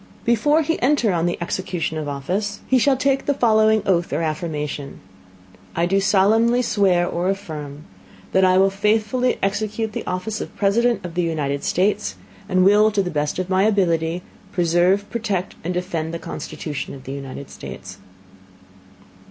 Before he enter on the Execution of his Office, he shall take the following Oath or Affirmation: "I do solemnly swear (or affirm) that I will faithfully execute the Office of President of the United States, and will to the best of my Ability, preserve, protect and defend the Constitution of the United States."